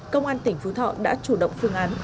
công an tỉnh phú thọ đã chủ động phương án